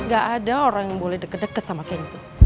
gak ada orang yang boleh deket deket sama kenzo